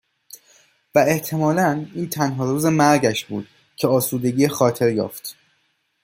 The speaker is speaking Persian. و احتمالا این تنها روز مرگش بود که آسودگی خاطر یافت